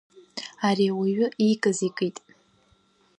Ари ауаҩы иикыз икит.